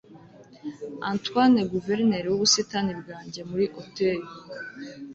antoine, guverineri wubusitani bwanjye muri auteuil